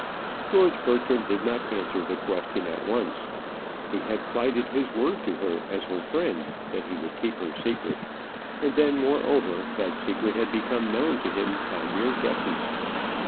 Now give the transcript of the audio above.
George Bertram did not answer the question at once. He had plighted his word to her as her friend that he would keep her secret; and then, moreover, that secret had become known to him by mere guesses.